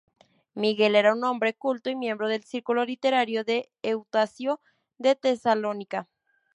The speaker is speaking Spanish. Miguel era un hombre culto y miembro del círculo literario de Eustacio de Tesalónica.